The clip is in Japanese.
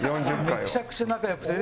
めちゃくちゃ仲良くて。